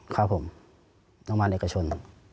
ครับผมโรงพยาบาลเอกชน